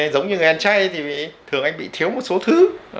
giống như người ăn chay thì thường anh bị thiếu một số thứ